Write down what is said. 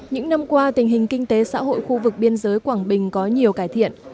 những năm qua tình hình kinh tế xã hội khu vực biên giới quảng bình có nhiều cải thiện